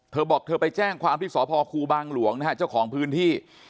เธอบอกเธอไปแจ้งความที่สพครูบางหลวงนะฮะเจ้าของพื้นที่